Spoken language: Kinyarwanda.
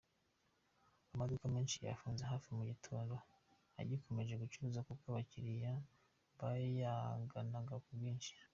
Amaduka menshi yafunze hafi mu gitondo agikomeje gucuruza kuko abakiriya bayaganaga ku bwinshi.